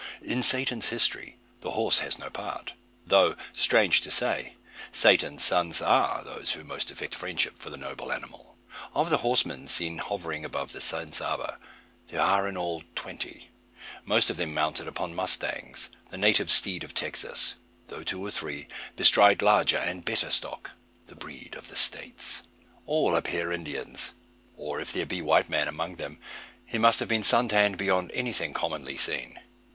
In Satan's history the horse has no part; though, strange to say, Satan's sons are those who most affect friendship for the noble animal. Of the horsemen seen hovering above the San Saba there are in all twenty; most of them mounted upon mustangs, the native steed of Texas, though two or three bestride larger and better stock, the breed of the States. All appear Indians, or if there be white man among them, he must have been sun tanned beyond anything commonly seen.